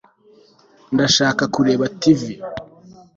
ndashaka kureba tv